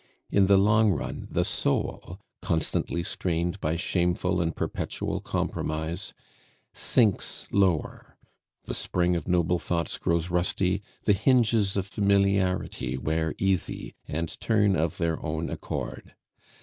In the long run the soul, constantly strained by shameful and perpetual compromise, sinks lower, the spring of noble thoughts grows rusty, the hinges of familiarity wear easy, and turn of their own accord.